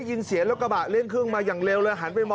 พี่เบิ๊